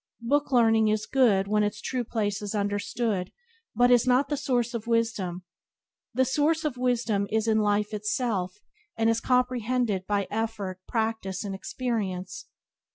Book learning is good when its true place is understood, but is not the source of wisdom. The source of wisdom is in life itself, and is comprehended by effort, practice, and experience.